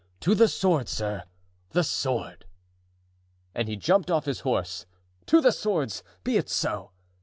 To the sword, sir! the sword!" And he jumped off his horse. "To the swords! be it so!"